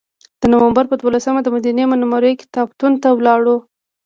د نوامبر په دولسمه دمدینې منورې کتابتون ته لاړو.